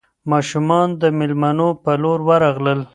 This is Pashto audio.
ماشومان د مېلمنو په لور ورغلل.